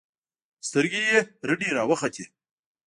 سترګې يې رډې راوختې.